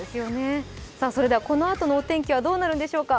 このあとのお天気はどうなるんでしょうか。